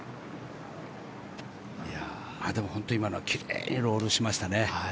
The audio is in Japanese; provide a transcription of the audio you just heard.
でも、本当に今のは奇麗にロールしましたね。